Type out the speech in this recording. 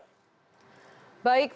baik pak muhammad arifin